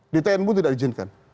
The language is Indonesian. di tn pun tidak diizinkan